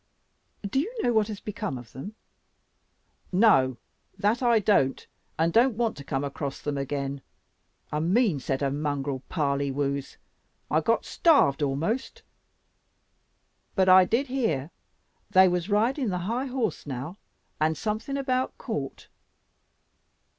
"Do you know what has become of them?" "No that I don't, and don't want to come across them again. A mean set of mongrel parlywoos; I got starved amost. But I did hear they was riding the high horse now, and something about court."